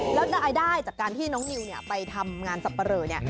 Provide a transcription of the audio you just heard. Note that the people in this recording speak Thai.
แล้วได้จากการที่น้องนิวไปทำงานสับปะเรอ